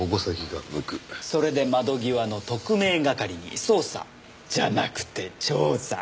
それで窓際の特命係に捜査じゃなくて調査。